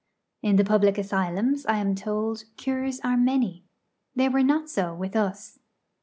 In the public asylums, I am told, cures are many. They were not so with us.